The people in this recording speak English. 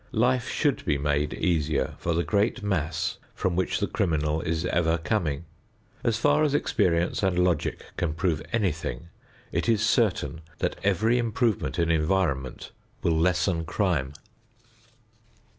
Life should be made easier for the great mass from which the criminal is ever coming. As far as experience and logic can prove anything, it is certain that every improvement in environment will lessen crime.